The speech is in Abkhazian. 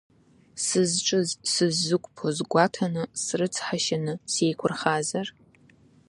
Сызҿыз, сыззықәԥоз гәаҭаны, срыцҳашьаны сеиқәирхазар?